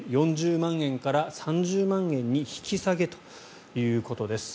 ４０万円から３０万円に引き下げということです。